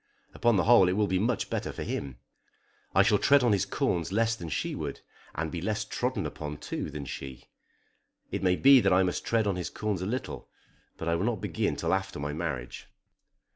Upon the whole it will be much better for him. I shall tread on his corns less than she would, and be less trodden upon, too, than she. It may be that I must tread on his corns a little, but I will not begin till after my marriage."